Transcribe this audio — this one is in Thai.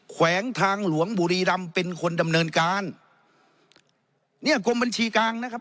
แขวงทางหลวงบุรีรำเป็นคนดำเนินการเนี่ยกรมบัญชีกลางนะครับ